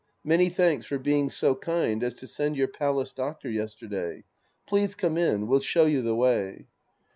Many thanks for being so Idnd as to send your palace doctor yesterday. Please come in. We'll show you the way.